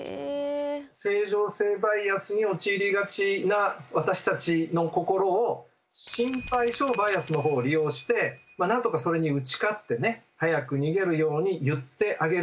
正常性バイアスに陥りがちな私たちの心を心配性バイアスの方を利用してなんとかそれに打ち勝ってね早く逃げるように言ってあげる。